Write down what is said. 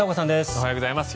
おはようございます。